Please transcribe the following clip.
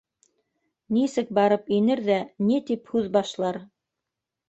Нисек барып инер ҙә, ни тип һүҙ башлар?